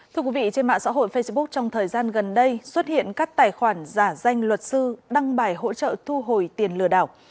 thưa quý vị trên mạng xã hội facebook trong thời gian gần đây xuất hiện các tài khoản giả danh luật sư đăng bài hỗ trợ thu hồi tiền lừa đảo